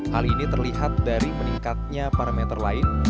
hal ini terlihat dari meningkatnya parameter lain